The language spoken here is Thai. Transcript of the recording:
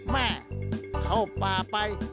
แม่เข้าป่าไป